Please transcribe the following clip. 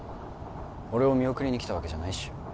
俺を見送りに来たわけじゃないっしょ？